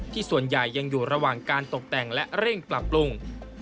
ส่วนใหญ่ยังอยู่ระหว่างการตกแต่งและเร่งปรับปรุง